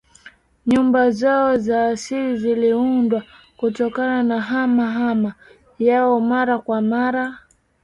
Nyumba zao za asili ziliundwa kutokana na hama hama yao mara kwa mara